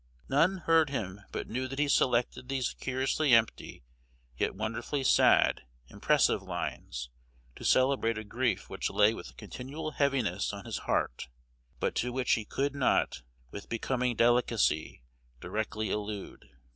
None heard him but knew that he selected these curiously empty, yet wonderfully sad, impressive lines, to celebrate a grief which lay with continual heaviness on his heart, but to which he could not with becoming delicacy directly allude.